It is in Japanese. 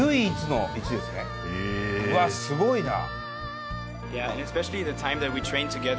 うわすごいな。